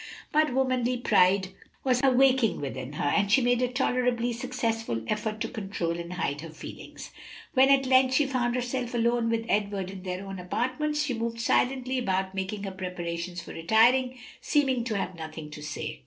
But womanly pride was awaking within her, and she made a tolerably successful effort to control and hide her feelings. When at length she found herself alone with Edward in their own apartments, she moved silently about making her preparations for retiring, seeming to have nothing to say.